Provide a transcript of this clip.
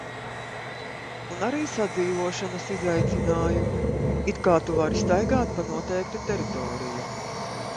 Un arī sadzīvošanas izaicinājumi. It kā tu vari staigāt pa noteiktu teritoriju.